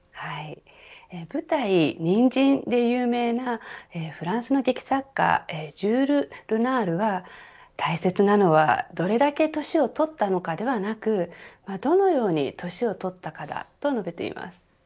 舞台にんじんで有名なフランスの劇作家ジュール・ルナールは大切なのはどれだけ年をとったのかではなくどのように年をとったかだと述べています。